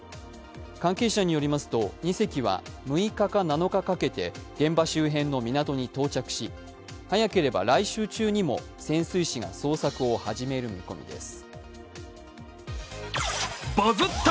関係者によりますと２隻は６日か７日かけて現場周辺の港に到着し早ければ来週中にも潜水士が捜索を始める見込みです。